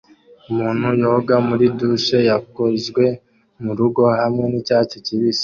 umuntu yoga muri douche yakozwe murugo hamwe nicyatsi kibisi